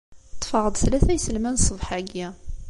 Ṭṭfeɣ-d tlata n yiselman ṣṣbeḥ-agi.